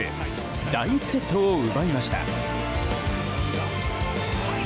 第１セットを奪いました。